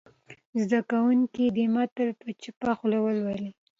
زده کوونکي دې متن په چوپه خوله ولولي.